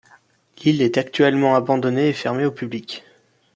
L'île est actuellement abandonnée et fermée au public.